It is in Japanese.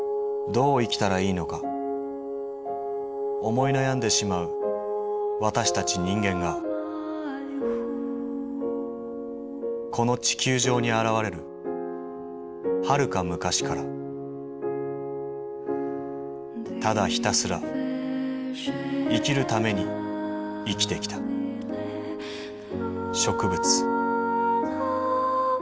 どう生きたらいいのか思い悩んでしまう私たち人間がこの地球上に現れるはるか昔からただひたすら生きるために生きてきた植物。